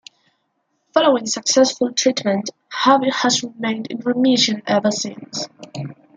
Following successful treatment, Harvey has remained in remission ever since.